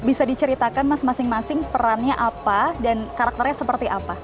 bisa diceritakan mas masing masing perannya apa dan karakternya seperti apa